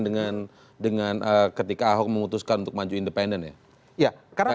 dengan ketika ahok memutuskan untuk maju independen ya